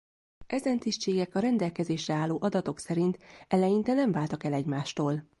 Ezen tisztségek a rendelkezésre álló adatok szerint eleinte nem váltak el egymástól.